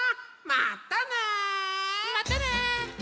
またね！